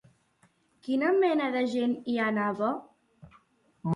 Quina mena de gent hi anava?